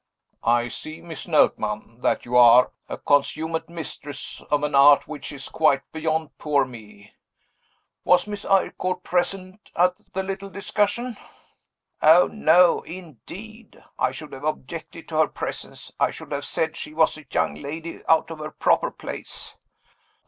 "I see, Miss Notman, that you are a consummate mistress of an art which is quite beyond poor me. Was Miss Eyrecourt present at the little discussion?" "Oh, no! Indeed, I should have objected to her presence; I should have said she was a young lady out of her proper place."